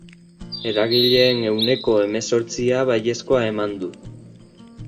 Eragileen ehuneko hemezortzik baiezkoa eman du.